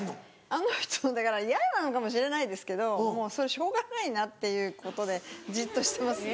あの人だから嫌なのかもしれないですけどそれしょうがないなっていうことでじっとしてますね。